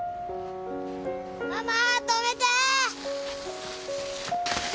ママー止めてー！